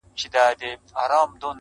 دا د نحوي قصیدې د چا په ښه دي؛